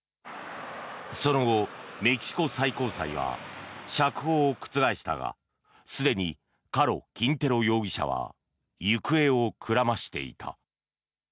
その後、メキシコ最高裁は釈放を覆したがすでにカロ・キンテロ容疑者は行方をくらましていた。